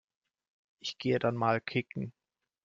Ich gehe dann mal kicken.